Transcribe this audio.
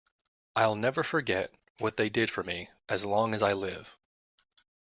I'll never forget what they did for me, as long as I live.